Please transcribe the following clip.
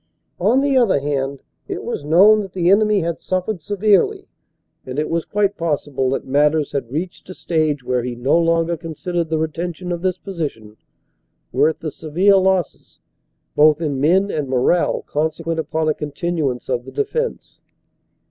On the other hand, it was known that the enemy had suffered severely, and it was quite possible that matters had reached a stage where he no longer considered the retention of this position worth the severe losses both in men and morale consequent upon a continuance of the defense.